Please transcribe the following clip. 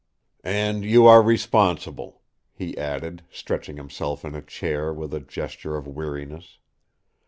"And you are responsible," he added, stretching himself in a chair with a gesture of weariness.